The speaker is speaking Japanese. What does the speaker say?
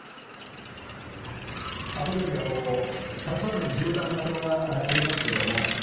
あそこにたくさんの銃弾跡がありますけれども。